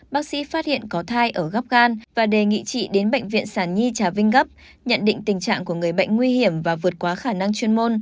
bác sĩ phát hiện có thai ở góc gan và đề nghị chị đến bệnh viện sản nhi trà vinh gấp nhận định tình trạng của người bệnh nguy hiểm và vượt quá khả năng chuyên môn